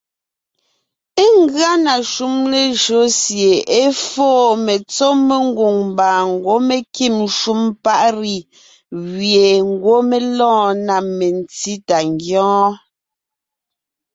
Ngʉa na shúm lejÿo sie é foo metsɔ́ mengwòŋ mbà ngwɔ́ mé kîm shúm paʼ “riz” gẅie ngwɔ́ mé lɔɔn na metsí tà ngyɔ́ɔn.